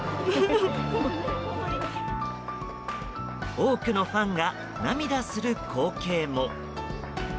多くのファンが涙する光景も。